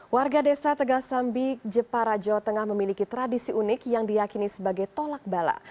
warga desa tegasambi jepara jawa tengah memiliki tradisi unik yang diakini sebagai tolak bala